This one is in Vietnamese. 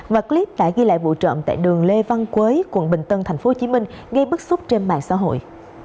và clip đã ghi lại vụ trộm tại đường lê văn quế quận bình tân tp hcm gây bức xúc trên mạng xã hội